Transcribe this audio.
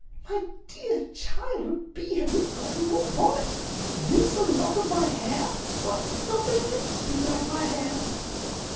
"My dear child, what bee have you got in your bonnet? This a lock of my hair! Why, it's not in the least bit like my hair!"